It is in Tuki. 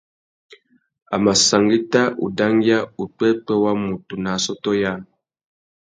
A mà sangüetta udangüia upwêpwê wa mutu nà assôtô yâā.